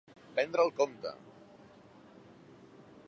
Prendre el compte.